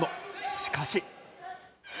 しかし。